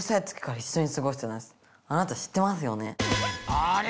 あれ？